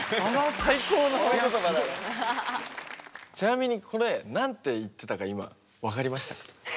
ちなみにこれ何て言ってたか今分かりました？